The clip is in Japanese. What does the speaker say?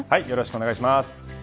よろしくお願いします。